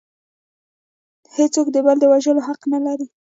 هیڅوک د بل د وژلو حق نلري